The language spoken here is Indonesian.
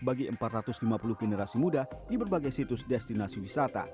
bagi empat ratus lima puluh generasi muda di berbagai sisi